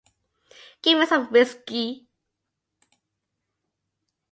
Give me some whiskey.